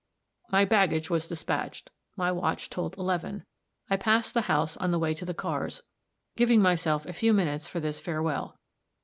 My baggage was dispatched; my watch told eleven; I passed the house on the way to the cars, giving myself a few minutes for this farewell.